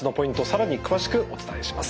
更に詳しくお伝えします。